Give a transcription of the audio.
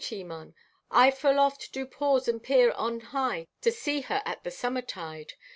(Leta) "Nay, Timon, I full oft do pause and peer on high to see her at the summertide.